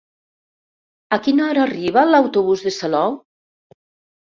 A quina hora arriba l'autobús de Salou?